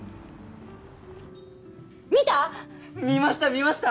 見た？